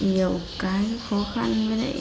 nhiều cái khó khăn với đấy